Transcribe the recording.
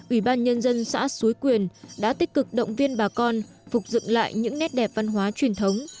ủy ban nhân dân xã suối quyền đã tích cực động viên bà con phục dựng lại những nét đẹp văn hóa truyền thống